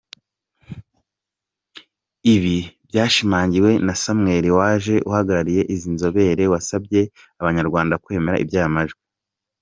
Ibi byashimangiwe na Samuel waje uhagarariye izi nzobere wasabye abanyarwanda kwemera iby’aya majwi.